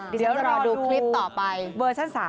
เดี๋ยวรอดูคลิปต่อไปเวอร์ชั่น๓